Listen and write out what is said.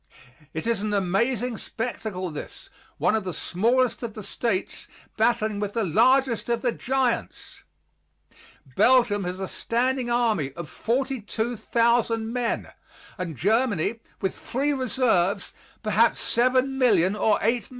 It is an amazing spectacle, this, one of the smallest of the States, battling with the largest of the giants! Belgium has a standing army of 42,000 men, and Germany, with three reserves, perhaps 7,000,000 or 8,000,000.